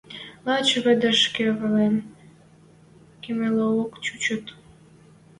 Лач вӹдӹшкӹ вален кемӹлӓок чучыт.